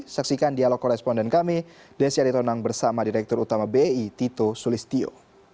saksikan dialog koresponden kami desyari tonang bersama direktur utama bi tito sulistio